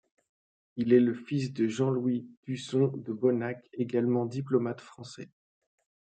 Il est le fils de Jean-Louis d'Usson de Bonnac, également diplomate français.